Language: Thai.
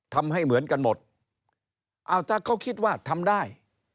ทำให้เหมือนกันหมดอ้าวถ้าเขาคิดว่าทำได้